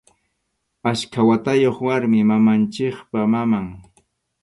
Achka watayuq warmi, mamanchikpa maman.